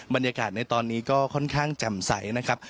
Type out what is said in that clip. บรรยากาศในตอนนี้ก็ค่อนข้างแจ่มใสนะครับ